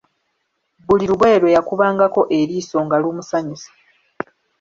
Buli lugoye lwe yakubangako eriiso nga lumusanyusa.